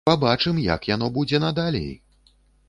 Пабачым, як яно будзе надалей.